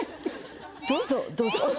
どうぞどうぞ。